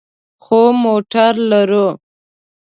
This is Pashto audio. خو موټر لرو